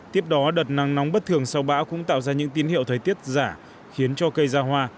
tiếp đó đợt nắng nóng bất thường sau bão cũng tạo ra những tin hiệu thời tiết giả khiến cho cây ra hoa